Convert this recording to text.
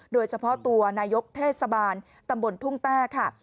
โดยเฉพาะตัวนายกเทศบาลตำบลทุ่งแต้ค่ะ